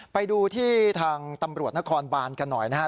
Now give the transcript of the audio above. ไปดูที่ทางตำรวจนครบานกันหน่อยนะครับ